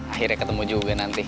akhirnya ketemu juga nanti